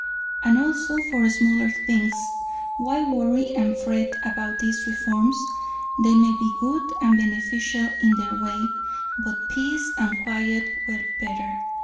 And so also for smaller things. Why worry and fret about these reforms? They may be good and beneficial in their way, but peace and quiet were better.